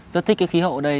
rất thích cái khí hậu ở đây